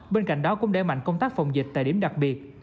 bên cạnh đó cũng đẩy mạnh công tác phòng dịch tại điểm đặc biệt